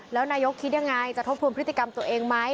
แล้วนายกคิดยังไงจะทบทวนพฤติกรรมตัวเองไหม